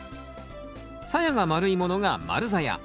さやが丸いものが丸ざや。